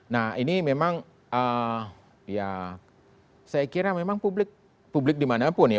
nah ini memang ya saya kira memang publik di mana pun ya